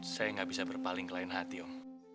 saya gak bisa berpaling kelain hati om